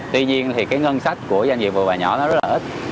tuy nhiên thì cái ngân sách của doanh nghiệp vừa và nhỏ nó rất là ít